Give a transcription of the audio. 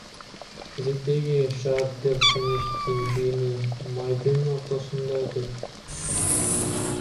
Кезектеги шаардык кеңештин жыйыны майдын ортосунда өтөт.